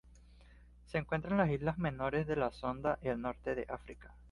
Se encuentra en las islas menores de la Sonda y el norte de Australia.